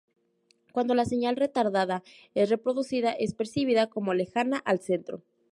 Cuando la señal retardada es reproducida, es percibida como lejana al centro.